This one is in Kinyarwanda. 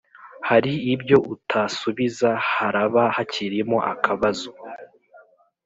hari ibyo utasubiza haraba kakirimo akabazo.